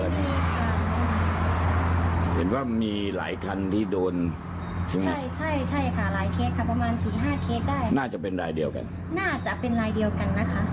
น่าจะเป็นรายเดียวกันน่าจะเป็นรายเดียวกันนะคะ